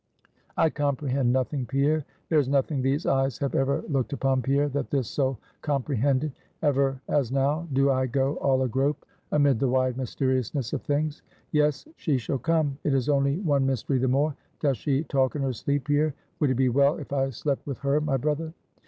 "I comprehend nothing, Pierre; there is nothing these eyes have ever looked upon, Pierre, that this soul comprehended. Ever, as now, do I go all a grope amid the wide mysteriousness of things. Yes, she shall come; it is only one mystery the more. Doth she talk in her sleep, Pierre? Would it be well, if I slept with her, my brother?"